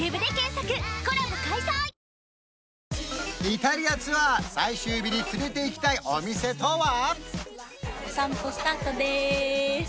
イタリアツアー最終日に連れていきたいお店とは？